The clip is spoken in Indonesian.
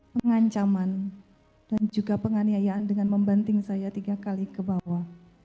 pengancaman dan juga penganiayaan dengan membanting saya tiga kali ke bawah